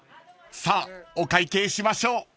［さあお会計しましょう］